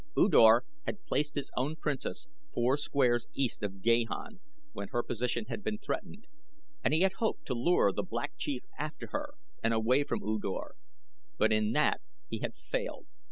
U Dor had placed his own Princess four squares east of Gahan when her position had been threatened, and he had hoped to lure the Black Chief after her and away from U Dor; but in that he had failed.